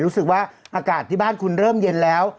รู้สึกว่าอากาศที่บ้านคุณเริ่มเย็นแล้ว